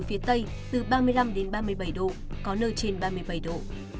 các tỉnh từ đà nẵng đến hà nội có nơi dưới hai mươi độ